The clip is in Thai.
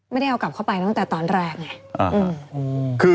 ไม่ได้เอากลับเข้าไปตั้งแต่ตอนแรกไง